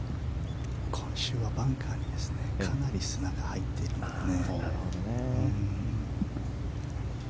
今週はバンカーにかなり砂が入っていますね。